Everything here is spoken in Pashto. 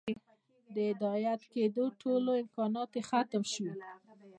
د هدايت كېدو ټول امكانات ئې ختم شي